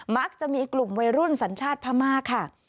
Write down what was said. มักจะมีกลุ่มวัยรุ่นสัญชาติพม่าค่ะ